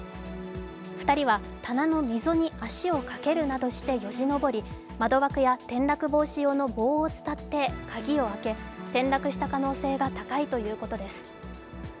２人は、棚の溝に足をかけるなどしてよじ登り窓枠や転落防止用の棒をつたって鍵を開け転落した可能性が高いということです。